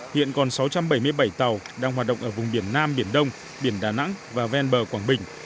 hiện còn sáu trăm bảy mươi bảy tàu đang hoạt động ở vùng biển nam biển đông biển đà nẵng và ven bờ quảng bình